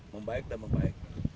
membaik dan membaik